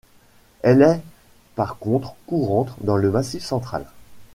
Elle est par contre courante dans le Massif central.